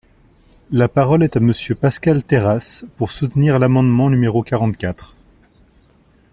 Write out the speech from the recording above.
La parole est à Monsieur Pascal Terrasse, pour soutenir l’amendement numéro quarante-quatre.